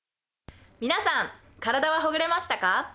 皆さん体はほぐれましたか？